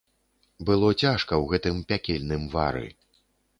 Было цяжка ў гэтым пякельным вары.